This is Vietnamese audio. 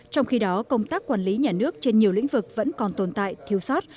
trong khi đó công tác quản lý nhà nước trên nhiều lĩnh vực vẫn còn tồn tại thiếu sót